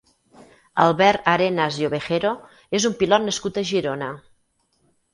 Albert Arenas i Ovejero és un pilot nascut a Girona.